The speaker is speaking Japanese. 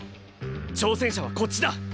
挑戦者はこっちだ。